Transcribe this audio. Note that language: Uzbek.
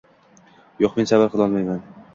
Yoʻq men sabr qilolmayman